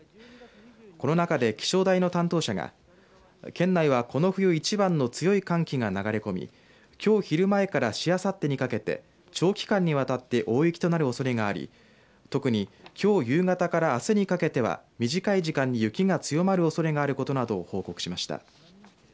この中で気象台の担当者が県内は、この冬一番の強い寒気が流れ込みきょう昼前からしあさってにかけて長期間にわたって大雪となるおそれがあり特にきょう夕方からあすにかけては短い時間に雪が強まるおそれがあることなどを報告しました。